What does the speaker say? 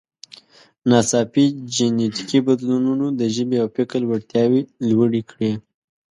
ناڅاپي جینټیکي بدلونونو د ژبې او فکر وړتیاوې لوړې کړې.